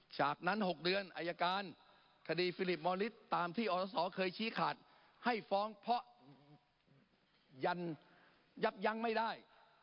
จากนั้น๖เดือนอายการคดีฟิลิปมอลิสตามที่อศเคยชี้ขาดให้ฟ้องเพราะยันยับยั้งไม่ได้